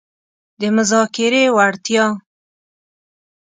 -د مذاکرې وړتیا